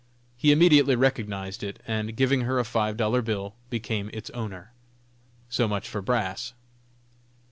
He immediately recognized it, and giving her a five dollar bill, became its owner. So much for brass.